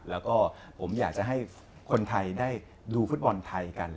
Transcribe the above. แล้วก็ผมอยากจะให้คนไทยได้ดูฟุตบอลไทยกัน